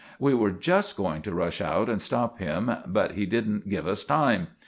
We were just going to rush out and stop him, but he didn't give us time.